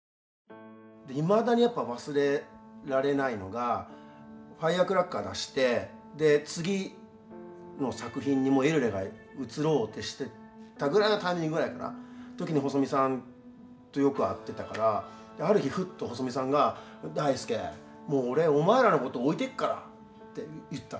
いまだにやっぱ忘れられないのが「ＦＩＲＥＣＲＡＣＫＥＲＳ」出して次の作品にもうエルレが移ろうってしてたぐらいのタイミングぐらいかな細美さんとよく会ってたからある日ふっと細美さんが「ダイスケもう俺お前らのこと置いてくから」って言ったの。